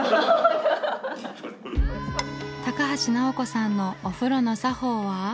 高橋尚子さんのお風呂の作法は。